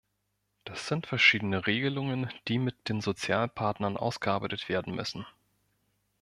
Das sind verschiedene Regelungen, die mit den Sozialpartnern ausgearbeitet werden müssen.